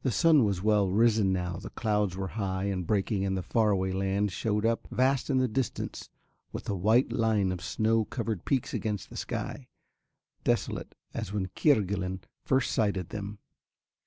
The sun was well risen now, the clouds were high and breaking and the far away land shewed up, vast in the distance, with a white line of snow covered peaks against the sky, desolate as when Kerguelen first sighted them.